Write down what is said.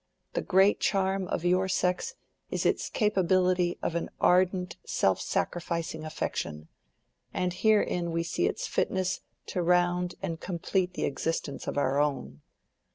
The great charm of your sex is its capability of an ardent self sacrificing affection, and herein we see its fitness to round and complete the existence of our own.